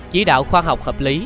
chí đạo khoa học hợp lý